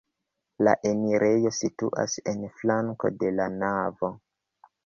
La enirejo situas en flanko de la navo.